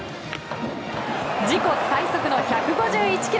自己最速の１５１ｋｍ。